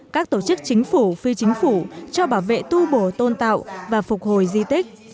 các tổ chức chính phủ phi chính phủ cho bảo vệ tu bổ tôn tạo và phục hồi di tích